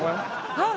はい。